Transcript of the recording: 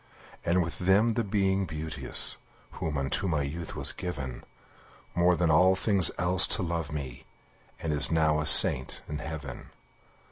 And with them the Being Beauteous, Who unto my youth was given, More than all things else to love me, And is now a saint in heaven.